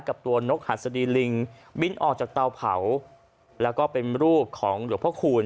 กับตัวนกหัสดีลิงบินออกจากเตาเผาแล้วก็เป็นรูปของหลวงพระคูณ